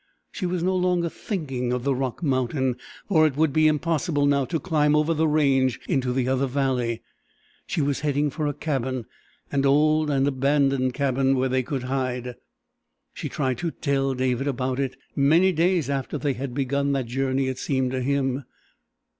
She was no longer thinking of the rock mountain, for it would be impossible now to climb over the range into the other valley. She was heading for a cabin. An old and abandoned cabin, where they could hide. She tried to tell David about it, many days after they had begun that journey it seemed to him.